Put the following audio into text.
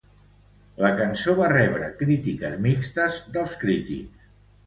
La cançó va rebre crítiques mixtes dels crítics.